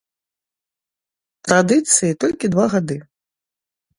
Традыцыі толькі два гады.